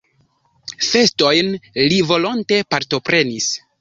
Festojn li volonte partoprenis.